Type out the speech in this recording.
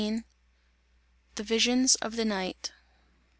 XIV. THE VISIONS OF THE NIGHT.